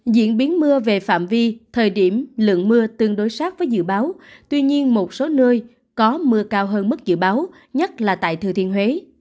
diễn biến mưa về phạm vi thời điểm lượng mưa tương đối sát với dự báo tuy nhiên một số nơi có mưa cao hơn mức dự báo nhất là tại thừa thiên huế